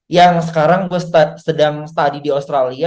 yang sekarang gue sedang study di australia